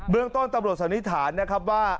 เรื่องต้นตำรวจสันนิษฐานนะครับว่า